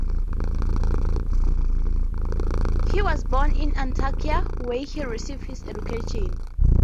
He was born in Antakya where he received his education.